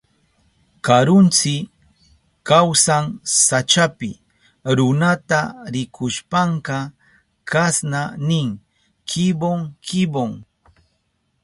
Karuntsi kawsan sachapi. Runata rikushpanka kasna nin: kibon kibon.